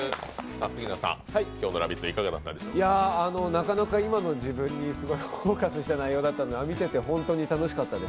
なかなか今の自分にフォーカスした内容だったんで見てて本当に楽しかったです。